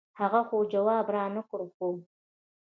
هغه خو جواب رانۀ کړۀ خو